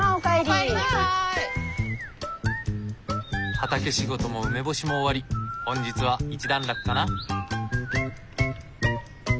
畑仕事も梅干しも終わり本日は一段落かな？